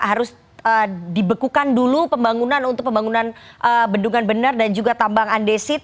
harus dibekukan dulu pembangunan untuk pembangunan bendungan benar dan juga tambang andesit